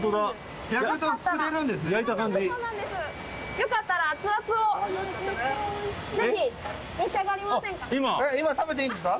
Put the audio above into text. よかったら熱々を、ぜひ召し上がりませんか？